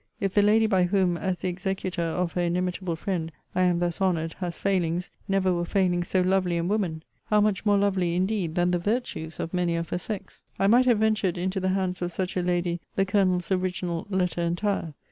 If the lady by whom, as the executor of her inimitable friend, I am thus honoured, has failings, never were failings so lovely in woman! How much more lovely, indeed, than the virtues of many of her sex! I might have ventured into the hands of such a lady the Colonel's original letter entire.